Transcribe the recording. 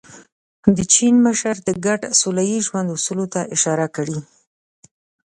د چین مشر د ګډ سوله ییز ژوند اصولو ته اشاره کړې.